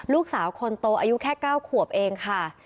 ลูกสาวคนโตอายุแค่๙ขวบเองค่ะ